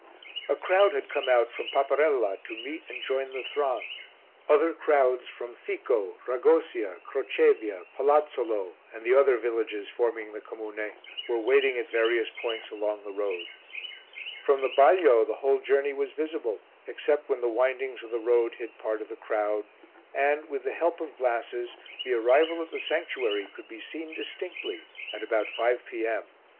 A crowd had come out from Paparella to meet and join the throng, other crowds from Fico, Ragosia, Crocevia, Palazzolo and the other villages forming the comune, were waiting at various points along the road. From the balio the whole journey was visible, except when the windings of the road hid part of the crowd, and, with the help of glasses, the arrival at the sanctuary could be seen distinctly at about 5 p.m.